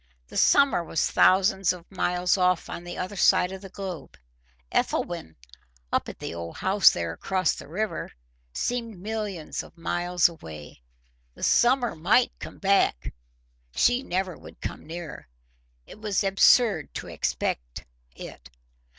The summer was thousands of miles off on the other side of the globe. Ethelwyn, up at the old house there across the river, seemed millions of miles away. The summer MIGHT come back; she never would come nearer: it was absurd to expect it.